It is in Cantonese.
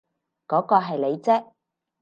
嗰個係你啫